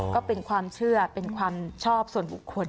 ก็เป็นความเชื่อเป็นความชอบส่วนบุคคล